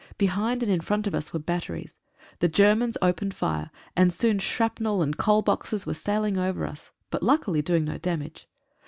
Behind and in front of us were batteries. The Germans opened fire, and soon shrapnel and "coal boxes" were sailing over us, but luckily doing no damage.